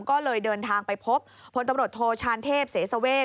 ก็เลยเดินทางไปพบพลตำรวจโทชานเทพเสสเวท